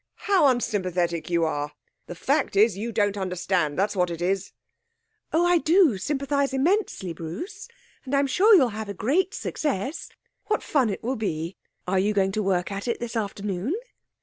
'How unsympathetic you are! The fact is you don't understand. That's what it is.' 'Oh, I do sympathise immensely, Bruce, and I'm sure you'll have a great success. What fun it will be! Are you going to work at it this afternoon?'